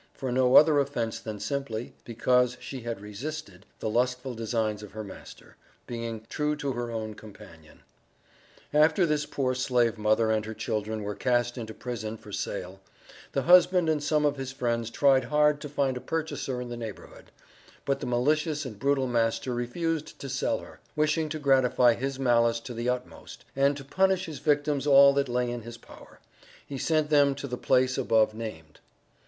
for no other offence than simply "because she had resisted" the lustful designs of her master, being "true to her own companion." After this poor slave mother and her children were cast into prison for sale, the husband and some of his friends tried hard to find a purchaser in the neighborhood; but the malicious and brutal master refused to sell her wishing to gratify his malice to the utmost, and to punish his victims all that lay in his power, he sent them to the place above named.